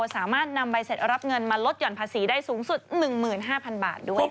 สามารถนำใบเสร็จรับเงินมาลดหย่อนภาษีได้สูงสุด๑๕๐๐๐บาทด้วย